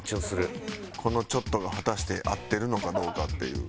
このちょっとが果たして合ってるのかどうかっていう。